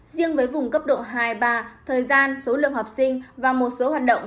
riêng với vùng cấp độ hai ba thời gian số lượng học sinh và một số hoạt động